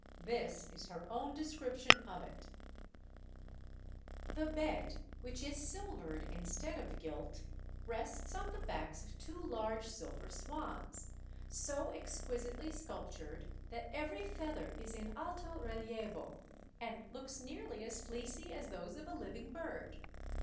This is her own description of it: The bed, which is silvered instead of gilt, rests on the backs of two large silver swans, so exquisitely sculptured that every feather is in alto relievo, and looks nearly as fleecy as those of a living bird.